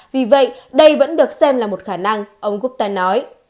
vì vậy đây vẫn được xem là một khả năng ông gutter nói